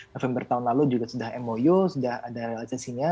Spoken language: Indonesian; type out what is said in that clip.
november tahun lalu juga sudah mou sudah ada realisasinya